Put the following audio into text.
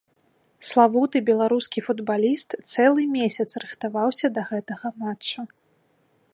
Славуты беларускі футбаліст цэлы месяц рыхтаваўся да гэтага матча.